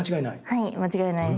はい間違いないです。